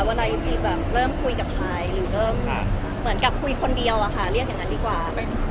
เวลาเอฟซีแบบเริ่มคุยกับใครหรือเริ่มเหมือนกับคุยคนเดียวอะค่ะเรียกอย่างนั้นดีกว่า